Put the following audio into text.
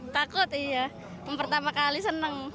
takut iya pertama kali senang